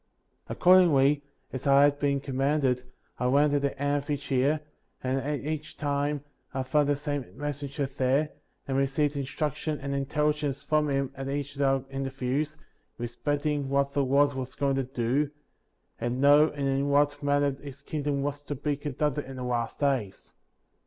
54. Accordingly, as I had been commanded, I went at the end of each year, and at each time' I found the same messenger there, and received instruc tion and intelligence from him at each of our inter views, respecting what the Lord was going to do, and how and in what manner his kingdom was to be conducted in the last days.